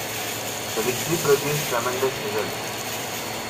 The victory produced tremendous results.